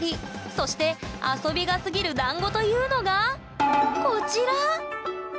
そして遊びがすぎるだんごというのがこちら！